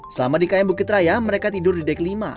selama di km bukit raya mereka tidur di dek lima